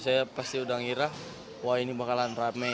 saya pasti udah ngira wah ini bakalan rame